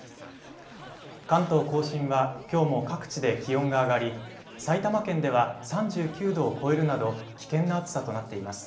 関東甲信はきょうも各地で気温が上がり埼玉県では３９度を超えるなど危険な暑さとなっています。